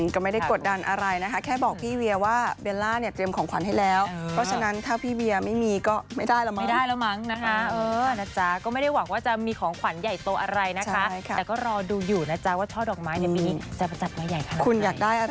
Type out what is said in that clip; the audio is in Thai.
ก็ไม่ได้กดดันอะไรนะคะแค่บอกพี่เวียว่าเบลล่าเนี่ยเตรียมของขวัญให้แล้วเพราะฉะนั้นถ้าพี่เวียไม่มีก็ไม่ได้แล้วมั้งไม่ได้แล้วมั้งนะคะก็ไม่ได้หวังว่าจะมีของขวัญใหญ่โตอะไรนะคะแต่ก็รอดูอยู่นะจ๊ะว่าช่อดอกไม้ในปีนี้จะประจัดมาใหญ่ขนาดนี้คุณอยากได้อะไร